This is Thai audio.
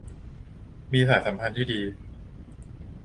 มีสายสัมพันธ์ที่ดี